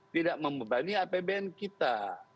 tidak membalani apbn kita